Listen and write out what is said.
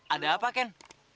ada apa ken